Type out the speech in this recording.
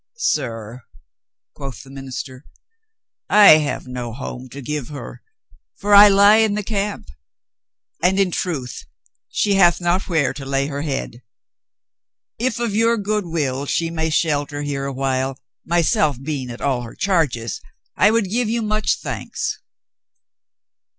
"Sir," quoth the min ister, "I have no home to give her, for I lie in the camp, and in truth she hath not where to lay her head. If of your good will she may shelter here a while, myself being at all her charges, I would give you much thanks."